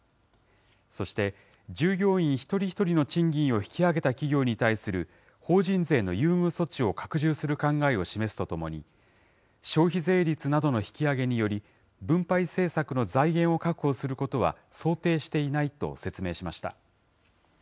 そして、従業員一人一人の賃金を引き上げた企業に対する法人税の優遇措置を拡充する考えを示すとともに、消費税率などの引き上げにより、分配政策の財源を確保することは、想定していないと説明しました。